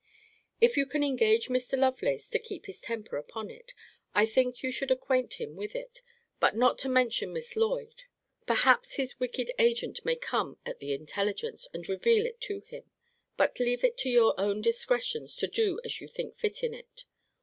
If you can engage Mr. Lovelace to keep his temper upon it, I think you should acquaint him with it, but not to mention Miss Lloyd. Perhaps his wicked agent may come at the intelligence, and reveal it to him. But leave it to your own discretions to do as you think fit in it.